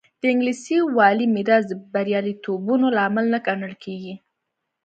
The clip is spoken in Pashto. د انګلیسي والي میراث د بریالیتوبونو لامل نه ګڼل کېږي.